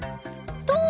とう！